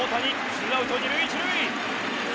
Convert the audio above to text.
ツーアウト二塁一塁。